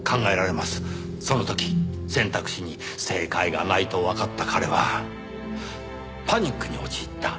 その時選択肢に正解がないとわかった彼はパニックに陥った。